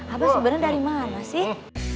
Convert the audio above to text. abah sebenarnya dari mana sih